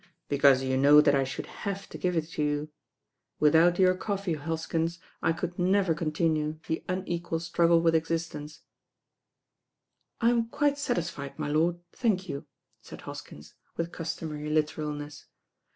"Because you know that I should have to give it to you. Without your coffee, Hoskins, I could LORD DREWITT ON MARRIAGE 189 "Tf T *^°"*^""unequal struggle with existence." "I'm quite satisfied, my lord, thank you," said Hoskins, with customary literalness.